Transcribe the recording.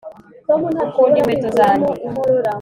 ukunda inkweto zanjye